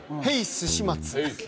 すし松」